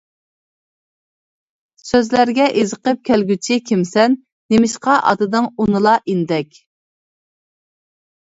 سۆزلەرگە ئېزىقىپ كەلگۈچى كىمسەن؟ نېمىشقا ئاتىدىڭ ئۇنىلا ئىندەك.